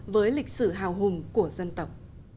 với lịch sử hào hùng của dân tộc